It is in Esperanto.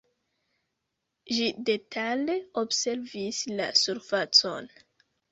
Ĝi detale observis la surfacon.